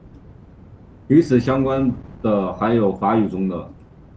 与此相关的还有法语中的。